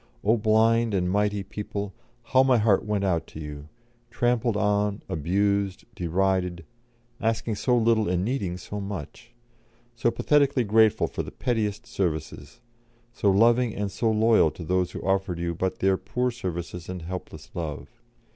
O blind and mighty people, how my heart went out to you; trampled on, abused, derided, asking so little and needing so much; so pathetically grateful for the pettiest services; so loving and so loyal to those who offered you but their poor services and helpless love.